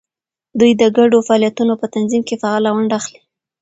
دوی د ګډو فعالیتونو په تنظیم کې فعاله ونډه اخلي.